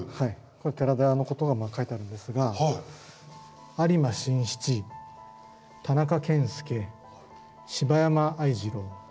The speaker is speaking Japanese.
これ寺田屋のことが書いてあるんですが「有馬新七田中謙助柴山愛次郎